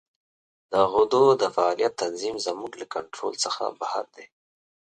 د غدو د فعالیت تنظیم زموږ له کنترول څخه بهر دی.